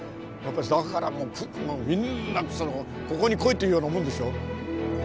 だからもうみんなここに来いっていうようなもんでしょ。